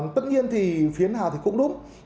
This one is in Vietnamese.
tất nhiên thì phiến hào thì cũng đúng